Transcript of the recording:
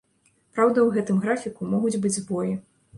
Праўда, у гэтым графіку могуць быць збоі.